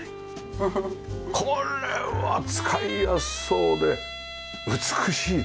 これは使いやすそうで美しいですよね。